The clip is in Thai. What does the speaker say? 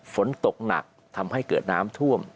ฝนตกหนักทำให้เกิดน้ำท่วม